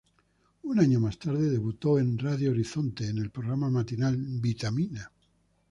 Un año más tarde debutó en Radio Horizonte en el programa matinal "Vitamina".